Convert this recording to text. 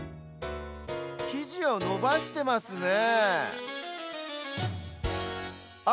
きじをのばしてますねえあ！